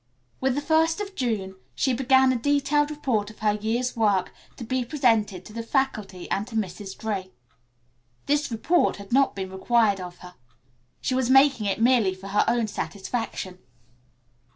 With the first of June she began a detailed report of her year's work to be presented to the faculty and to Mrs. Gray. This report had not been required of her. She was making it merely for her own satisfaction.